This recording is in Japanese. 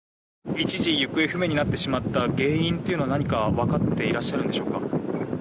一時行方不明になってしまった原因というのは何か分かっていらっしゃるんでしょうか？